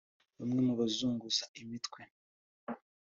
bamwe bazunguza imitwe